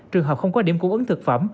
trường hợp không có điểm cung ứng thực phẩm